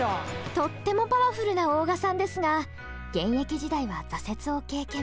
とってもパワフルな大神さんですが現役時代は挫折を経験。